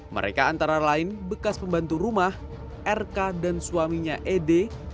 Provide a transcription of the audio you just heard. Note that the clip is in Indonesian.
mereka antara lain bekas pembantu rumah rk dan suaminya ed